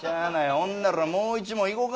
ほんならもう１問いこうか？